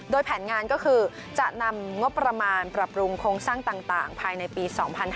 โดยแผนงานก็คือจะนำงบประมาณปรับปรุงโครงสร้างต่างภายในปี๒๕๕๙